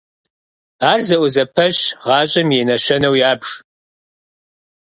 Ар зэӀузэпэщ гъащӀэм и нэщэнэу ябж.